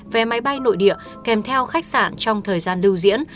vé máy bay nội địa kèm theo khách sạn trong thời gian lưu diễn